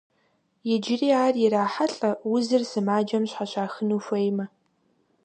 Иджыри ар ирахьэлӏэ узыр сымаджэм щхьэщахыну хуеймэ.